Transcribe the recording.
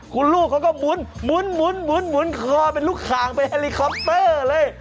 คุณลูกเขาก็หมุนคอเป็นลูกข่างเป็นแฮลิคอปเตอร์เลย